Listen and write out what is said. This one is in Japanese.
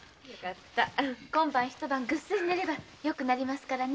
今夜一晩ぐっすり眠ればよくなりますからね。